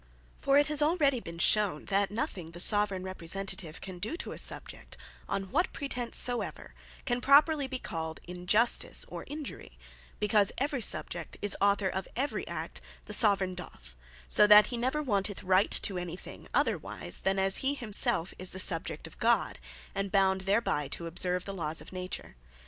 For it has been already shewn, that nothing the Soveraign Representative can doe to a Subject, on what pretence soever, can properly be called Injustice, or Injury; because every Subject is Author of every act the Soveraign doth; so that he never wanteth Right to any thing, otherwise, than as he himself is the Subject of God, and bound thereby to observe the laws of Nature.